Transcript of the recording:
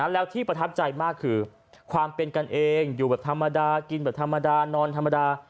แล้วที่ประทับใจมากคือความเป็นกันเองอยู่แบบธรรมดากินแบบธรรมดานอนธรรมดา